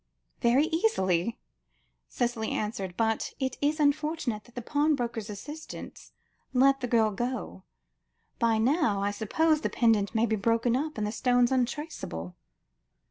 "Very easily," Cicely answered; "but it is unfortunate that the pawnbroker's assistants let the girl go. By now, I suppose, the pendant may be broken up, and the stones untraceable."